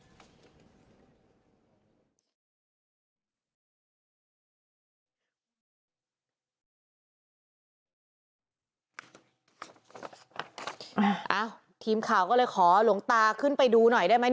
อ้าวทีมข่าวก็เลยขอหลวงตาขึ้นไปดูหน่อยได้ไหม